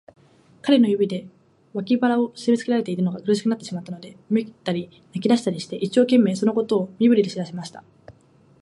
彼の指で、脇腹をしめつけられているのが苦しくなったので、うめいたり、泣いたりして、一生懸命、そのことを身振りで知らせました。